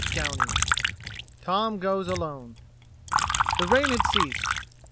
CHAPTER FOUR TOM GOES ALONE The rain had ceased.